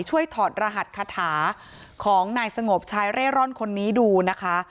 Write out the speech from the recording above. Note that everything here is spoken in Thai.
ถอดรหัสคาถาของนายสงบชายเร่ร่อนคนนี้ดูนะคะ